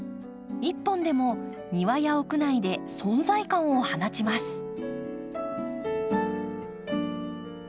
一本でも庭や屋内で存在感を放ちます。